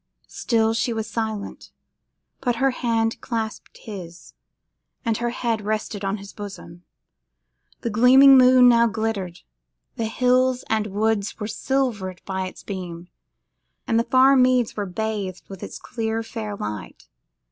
Still she was silent; but her hand clasped his, and her head rested on his bosom. The gleaming moon now glittered, the hills and woods were silvered by its beam, and the far meads were bathed with its clear, fair light.